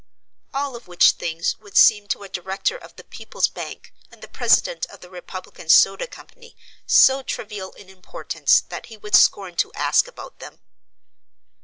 All of which things would seem to a director of the People's Bank and the president of the Republican Soda Co. so trivial in importance that he would scorn to ask about them.